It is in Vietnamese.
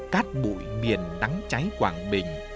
cát bụi biển đắng cháy quảng bình